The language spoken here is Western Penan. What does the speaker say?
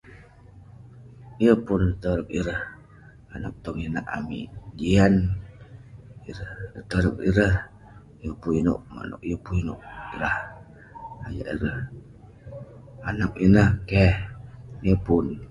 Yeng pun torep ireh anag tong inak amik, jian ireh..torep ireh, yeng pun inouk manouk..yeng pun inouk rah..jiak ireh anag ineh, keh..